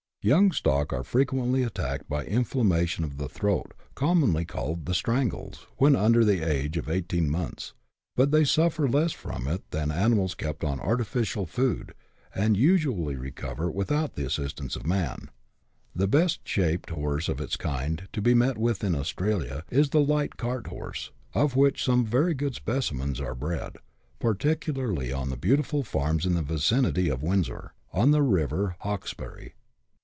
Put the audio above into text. Young stock are frequently attacked by inflammation of the throat, commonly called " the strangles," when under the age of eighteen months ; but they suffer less from it than animals kept on artificial food, and usually recover without the assistance of man. The best shaped horse of its kind to be met with in Australia is the light cart horse, of which some very good specimens are bred, particularly on the beautiful farms in the vicinity of Windsor, g2 84 BUSH LIFE IN AUSTRALIA. [chap. vii. on the river Hawkesbury.